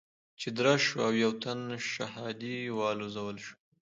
چې درز شو او يو تن شهادي والوزول شو.